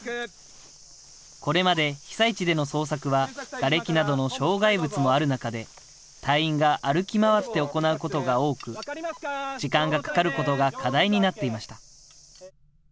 これまで被災地での捜索はがれきなどの障害物もある中で、隊員が歩き回って行うことが多く、時間がかかることが課題になっていました。